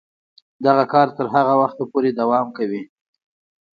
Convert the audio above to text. دغه کار تر هغه وخته پورې دوام کوي.